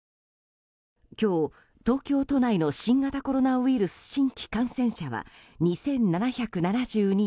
今日、東京都内の新型コロナウイルス新規感染者は２７７２人。